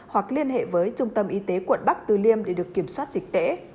hoặc liên hệ với trung tâm y tế quận bắc từ liêm để được kiểm soát dịch tễ